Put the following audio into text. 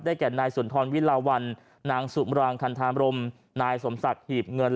แก่นายสุนทรวิลาวันนางสุมรางคันธามรมนายสมศักดิ์หีบเงิน